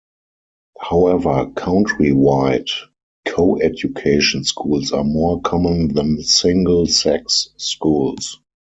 However country-wide, co-education schools are more common than single-sex schools.